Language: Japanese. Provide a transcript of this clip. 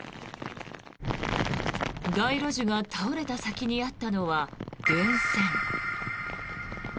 街路樹が倒れた先にあったのは電線。